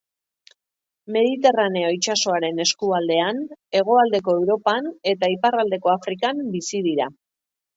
Mediterraneo itsasoaren eskualdean, hegoaldeko Europan eta iparraldeko Afrikan bizi dira.